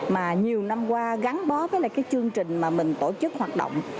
mà nhiều năm qua gắn bó với chương trình mà mình tổ chức hoạt động